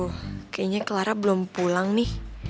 oh kayaknya clara belum pulang nih